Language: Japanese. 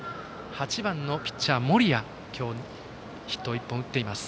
８番のピッチャー、森谷は今日ヒットを１本打っています。